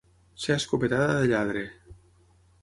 Ser escopetada de lladre.